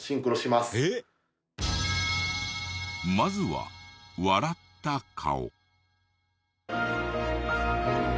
まずは笑った顔。